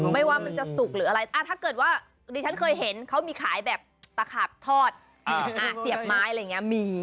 ไม่ว่ามันจะสุกหรืออะไรถ้าเกิดว่าดิฉันเคยเห็นเขามีขายแบบตะขาบทอดเสียบไม้อะไรอย่างนี้มี